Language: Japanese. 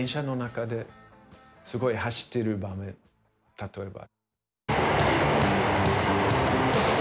例えば。